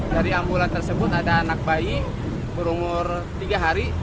dari ambulan tersebut ada anak bayi berumur tiga hari